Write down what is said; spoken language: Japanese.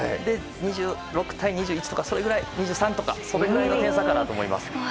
２６対２１とか、２３くらいの点差かなと思います。